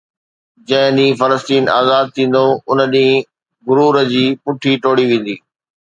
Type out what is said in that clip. جنهن ڏينهن فلسطين آزاد ٿيندو ان ڏينهن غرور جي پٺي ٽوڙي ويندي